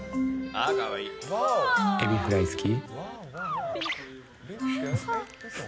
エビフライ好き？